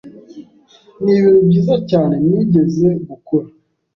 Nibintu byiza cyane nigeze gukora.